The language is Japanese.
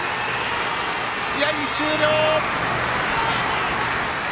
試合終了！